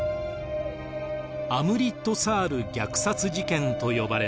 アムリットサール虐殺事件と呼ばれます。